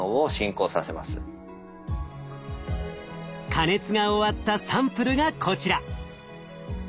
加熱が終わったサンプルがこちら。